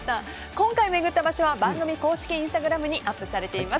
今回回った場所は番組公式インスタグラムにアップされています。